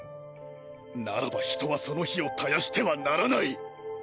ならば人はその火を絶やしてはならない。